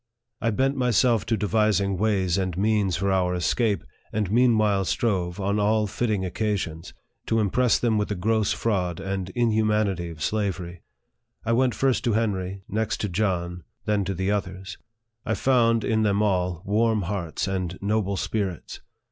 I bent myself to devising ways and means for our escape, and meann lnle strove, on all fitting occasions, to impress them with the gross fraud and inhumanity of slavery. I went first to Henry, next to John, then to the others. I found, in them all, warm hearts and noble spirits.